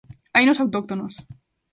Hainos autóctonos.